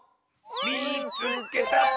「みいつけた！」。